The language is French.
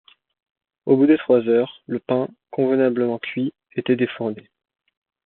Au bout de trois heures, le pain, convenablement cuit, était défourné.